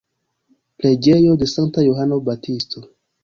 Preĝejo de Sankta Johano Baptisto.